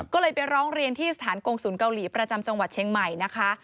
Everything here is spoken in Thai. ก็เลยไปร้องเรียนที่สถานกงศูนย์เกาหลีประจำจังหวัดเชียงใหม่นะคะ